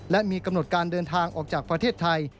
และมีกำหนดการเดินทางออกจากประเทศไทย